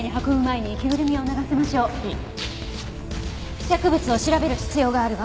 付着物を調べる必要があるわ。